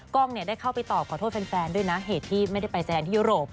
กล้องได้เข้าไปตอบขอโทษแฟนด้วยนะเหตุที่ไม่ได้ไปแสดงที่ยุโรป